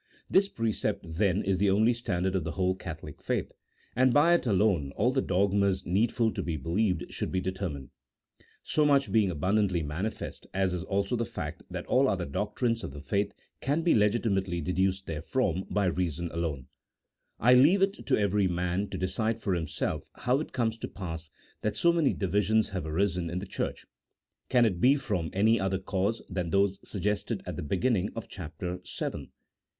This precept, then, is the only standard of the whole Catholic faith, and by it alone all the dogmas needful to be believed should be determined. So much being abundantly manifest, as is also the fact that all other doctrines of the faith can be legitimately deduced therefrom by reason alone, I leave it to every man to decide for himself how it comes to pass that so many divisions have arisen in the Church : can it be from any other cause than those suggested at the beginning of Chap. VII.